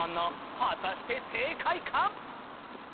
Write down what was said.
果たして正解か？